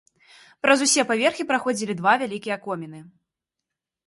Праз усе паверхі праходзілі два вялікія коміны.